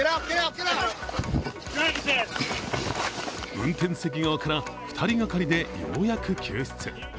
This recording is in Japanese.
運転席側から２人がかりでようやく救出。